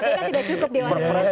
kpk tidak cukup dewan pengawas